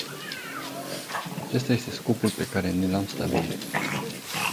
Acesta este scopul pe care ni l-am stabilit.